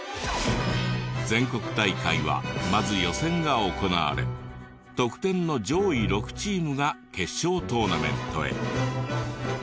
全国大会はまず予選が行われ得点の上位６チームが決勝トーナメントへ。